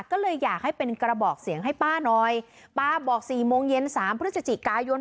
ก็เลยอยากให้เป็นกระบอกเสียงให้ป้าหน่อยป้าบอกสี่โมงเย็นสามพฤศจิกายน